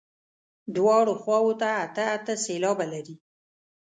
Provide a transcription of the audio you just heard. دواړو خواوو ته اته اته سېلابه لري.